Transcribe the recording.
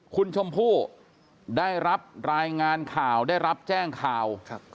คุณชมพู่ได้รับรายงานข่าวได้รับแจ้งข่าว